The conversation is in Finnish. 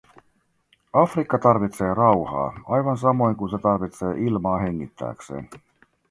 Afrikka tarvitsee rauhaa, aivan samoin kuin se tarvitsee ilmaa hengittääkseen.